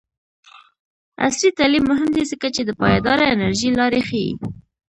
عصري تعلیم مهم دی ځکه چې د پایداره انرژۍ لارې ښيي.